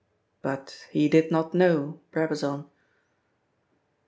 But he did not know Brabazon.